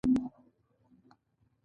بچیه! ماغزه مې سم کار نه کوي.